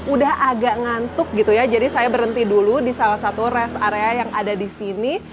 udah agak ngantuk gitu ya jadi saya berhenti dulu di salah satu rest area yang ada di sini